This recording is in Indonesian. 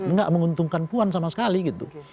nggak menguntungkan puan sama sekali gitu